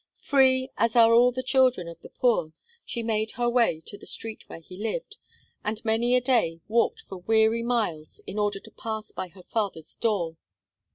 Free, as are all the children of the poor, she made her way to the street where he lived, and many a day walked for weary miles in order to pass by her father's door.